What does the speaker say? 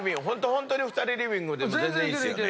ホントに２人リビングでも全然いいですよね。